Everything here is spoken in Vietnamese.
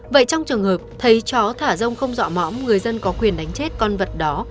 vậy trong trường hợp thấy chó thả rông không dọa mõm người dân có quyền đánh chết con vật đó